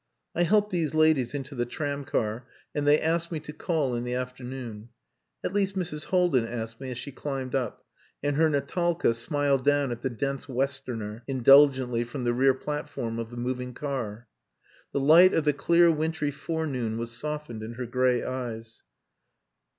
I helped these ladies into the tramcar and they asked me to call in the afternoon. At least Mrs. Haldin asked me as she climbed up, and her Natalka smiled down at the dense westerner indulgently from the rear platform of the moving car. The light of the clear wintry forenoon was softened in her grey eyes.